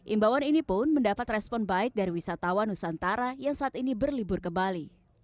imbauan ini pun mendapat respon baik dari wisatawan nusantara yang saat ini berlibur ke bali